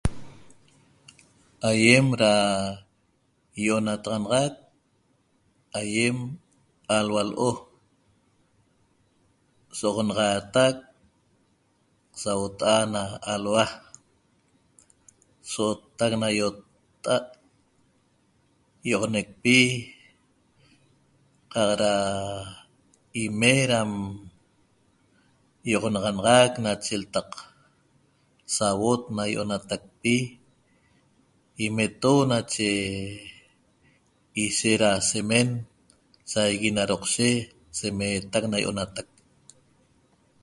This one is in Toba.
Aiem da ionataxanaxaq Aiem alua a lo' sohoxanataq Sa abota a' na alua' So ottaq na ioqta a' ioxoneq pi Qa eda im me da ioxanaxanaxaq ime che ltaq sabot na ienateqpi imetohuo' chime ishet da semen, sague na docse se meteq na ionateq